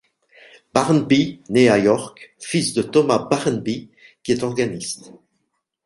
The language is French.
Barnby naît à York, fils de Thomas Barnby qui est organiste.